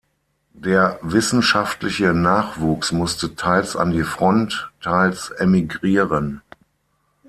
Der wissenschaftliche Nachwuchs musste teils an die Front, teils emigrieren.